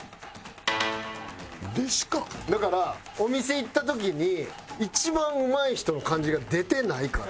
だからお店行った時に一番うまい人の感じが出てないから。